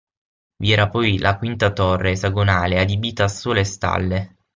Vi era poi la quinta torre, esagonale, adibita a sole stalle.